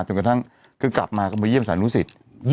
จนกระทั่งคือกลับมาก็มาเยี่ยมสานุสิต